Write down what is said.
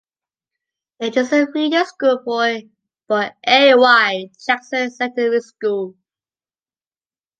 It is a feeder school for A. Y. Jackson Secondary School.